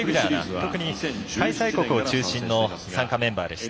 特に開催国が中心の参加メンバーでした。